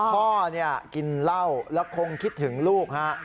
พ่อกินเหล้าแล้วคงคิดถึงลูกฮะ